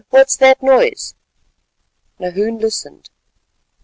what's that noise?" Nahoon listened.